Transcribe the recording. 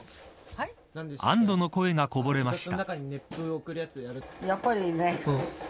安堵の声がこぼれました。